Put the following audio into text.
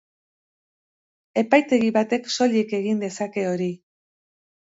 Epaitegi batek soilik egin dezake hori.